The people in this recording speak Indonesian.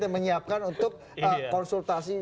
yang menyiapkan untuk konsultasi